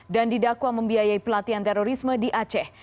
dan didakwa membiayai pelatihan terorisme di aceh